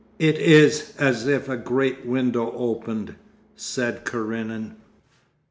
'It is as if a great window opened,' said Karenin.